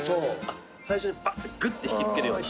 最初にパッてグッて引きつけるような。